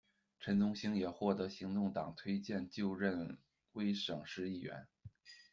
陈宗兴也获得行动党推荐就任威省市议员。